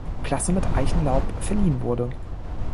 Klasse mit Eichenlaub verliehen wurde.